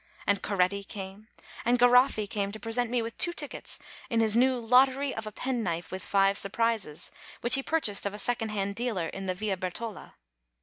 And Coretti came. And Garoffi came to present me with two tickets in his new lottery of "a penknife with five surprises/' which he purchased of a second hand dealer in the Via Bertola.